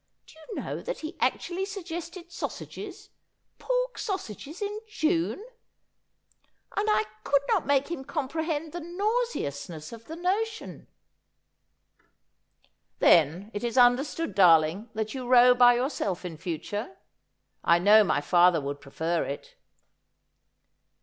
Do you know that he actually suggested sausages — pork sausages in J une ! And I could not make him comprehend the nauseousness of the notion.' ' Ood wote that Worldly Joy is sone Ago.^ 89 ' Then it is understood, darling, that you row by yourself in future. I know my father would prefer it.'